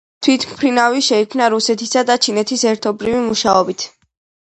თვითმფრინავი შეიქმნა რუსეთისა და ჩინეთის ერთობლივი მუშაობით.